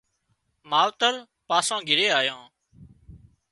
ماوترپاسان گھرِي آيان